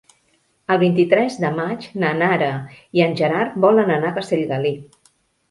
El vint-i-tres de maig na Nara i en Gerard volen anar a Castellgalí.